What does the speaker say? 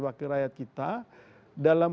wakil rakyat kita dalam